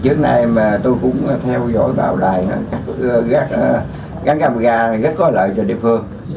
trước nay tôi cũng theo dõi bảo đại gắn camera rất có lợi cho địa phương